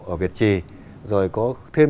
ở việt trì rồi có thêm